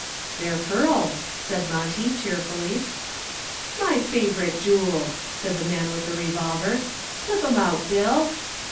"They're pearls," said Monty, cheerfully. "My favorite jool," said the man with the revolver. "Clip 'em out, Bill."